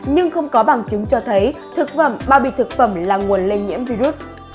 nhưng không có bằng chứng cho thấy thực phẩm bao bì thực phẩm là nguồn lây nhiễm virus